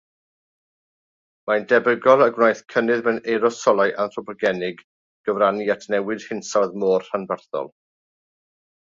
Mae'n debygol y gwnaeth cynnydd mewn erosolau anthropogenig gyfrannu at newid hinsawdd mor rhanbarthol.